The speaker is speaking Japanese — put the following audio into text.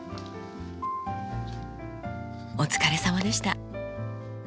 お疲れさまでした。